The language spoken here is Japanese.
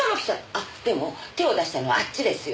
あっでも手を出したのはあっちですよ。